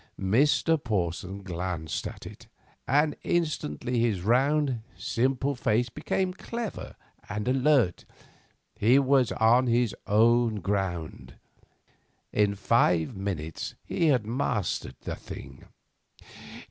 Mr. Porson glanced at it, and instantly his round, simple face became clever and alert. Here he was on his own ground. In five minutes he had mastered the thing.